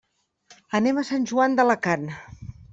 Anem a Sant Joan d'Alacant.